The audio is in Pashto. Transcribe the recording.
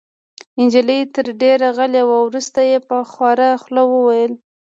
نجلۍ تر دېره غلې وه. وروسته يې په خواره خوله وویل: